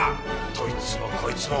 どいつもこいつも。